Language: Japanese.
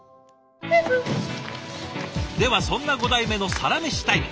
ではそんな５代目のサラメシタイム。